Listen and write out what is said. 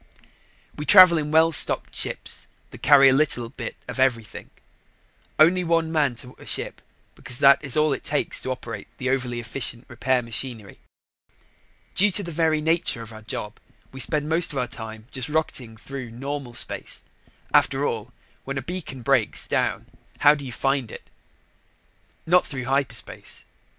We travel in well stocked ships that carry a little bit of everything; only one man to a ship because that is all it takes to operate the overly efficient repair machinery. Due to the very nature of our job, we spend most of our time just rocketing through normal space. After all, when a beacon breaks down, how do you find it? Not through hyperspace.